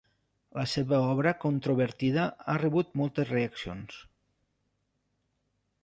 La seva obra controvertida ha rebut moltes reaccions.